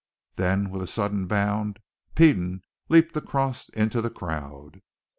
Then, with a sudden bound, Peden leaped across into the crowd.